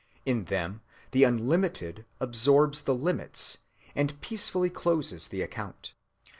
In them the unlimited absorbs the limits and peacefully closes the account.